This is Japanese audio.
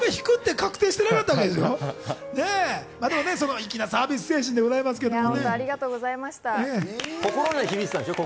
粋なサービス精神でございますけどね。